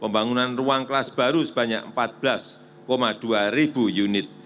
pembangunan ruang kelas baru sebanyak empat belas dua ribu unit pembangunan laboratorium sekolah sebanyak empat ribu unit